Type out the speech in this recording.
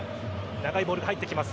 長いボールが入ってきます。